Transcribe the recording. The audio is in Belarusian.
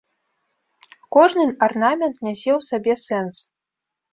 Кожны арнамент нясе ў сабе сэнс.